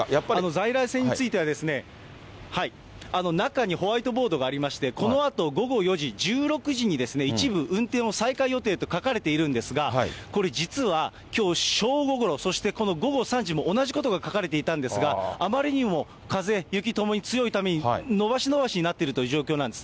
在来線についてはですね、中にホワイトボードがありまして、このあと午後４時、１６時に、一部、運転を再開予定と書かれているんですが、これ、実はきょう正午ごろ、そしてこの午後３時も同じことが書かれていたんですが、あまりにも風、雪ともに強いために、延ばし延ばしになっているという状況なんです。